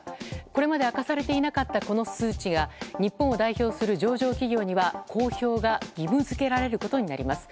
これまで明かされていなかったこの数値が日本を代表する上場企業には公表が義務付けられることになります。